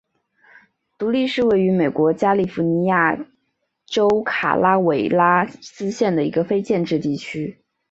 独立是位于美国加利福尼亚州卡拉韦拉斯县的一个非建制地区。